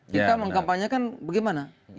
kita mengkampanyekan bagaimana